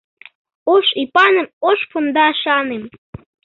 Ош ӱпаным, ош пондашаным...